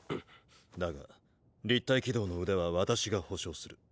だが立体機動の腕は私が保証する。